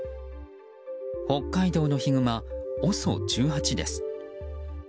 北海道のヒグマ、ＯＳＯ１８です。